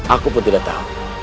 aku pun tidak tahu